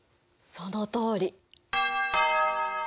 そのとおり！